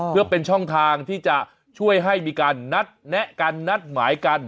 เพื่อเป็นช่องทางที่จะช่วยให้มีการนัดแนะกันนัดหมายกัน